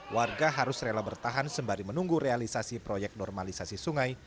warga harus rela bertahan sembari menunggu realisasi proyek normalisasi sungai